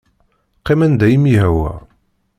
Qqim anda i m-yehwa.